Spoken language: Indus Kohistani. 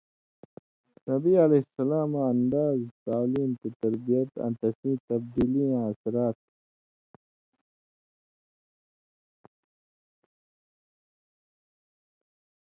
نبی علیہ السَلاماں اندازِ تعلیم تے تربیت آں تسئِیں تبدیلِیاں اثرات